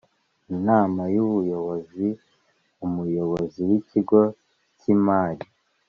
Inama y ubuyobozi umuyobozi w ikigo cy imari